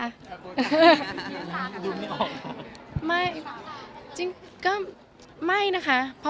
คุณไม่รู้สึกว่าคุณเฮิร์ดหนักมั้ยคะ